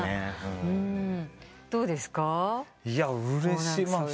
うれしい。